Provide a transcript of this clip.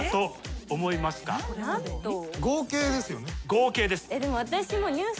合計です。